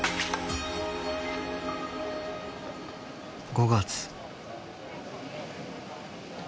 ５月。